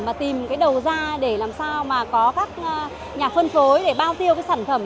và tìm đầu ra để làm sao có các nhà phân phối để bao tiêu sản phẩm